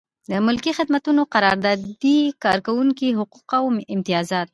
د ملکي خدمتونو قراردادي کارکوونکي حقوق او امتیازات.